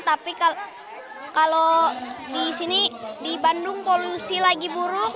tapi kalau di sini di bandung polusi lagi buruk